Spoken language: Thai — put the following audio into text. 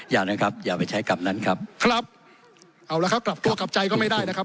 อย่านะครับอย่าไปใช้กรรมนั้นครับครับเอาละครับกลับตัวกลับใจก็ไม่ได้นะครับ